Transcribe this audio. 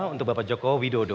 untuk bapak joko widodo